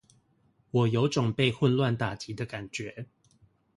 我有種被混亂打擊的感覺